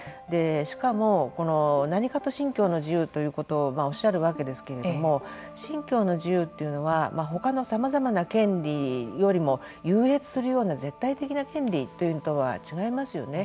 しかも、何かと信教の自由ということをおっしゃるわけですけども信教の自由というのはほかのさまざまな権利よりも優越するような絶対的な権利とは違いますよね。